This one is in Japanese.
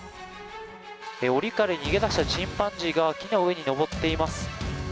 おりから逃げ出したチンパンジーが木の上に登っています。